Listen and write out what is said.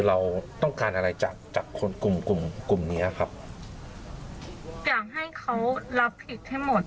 เราต้องการอะไรจากจากคนกลุ่มกลุ่มกลุ่มเนี้ยครับอยากให้เขารับผิดให้หมด